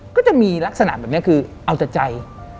ก็จะมีลักษณะแบบนี้คือเอาแต่ใจ